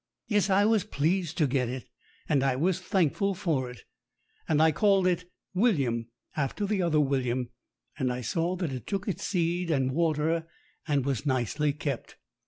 Yes, I was pleased to get it, and I was thankful for it, and I called it William after the other William, and I saw that it took its seed and water, and was nicely kept.